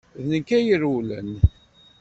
D nekk ay irewlen.